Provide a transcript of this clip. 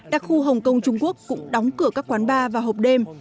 đặc khu hồng kông trung quốc cũng đóng cửa các quán bar và hộp đêm